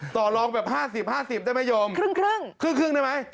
ต่อลองแบบ๕๐๕๐ได้ไหมโยมครึ่งได้ไหม